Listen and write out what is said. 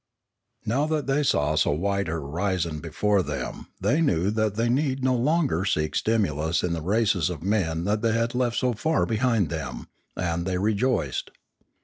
Now that they saw so wide a horizon before them they knew that they need no longer seek stimulus in the races of men that they had left so far behind them, and they rejoiced.